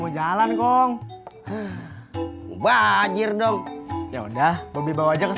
eh emang duduk emang